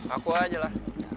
aku aja lah